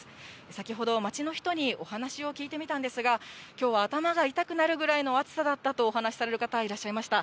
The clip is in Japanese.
先ほど、街の人にお話を聞いてみたんですが、きょうは頭が痛くなるぐらいの暑さだったとお話しされる方いらっしゃいました。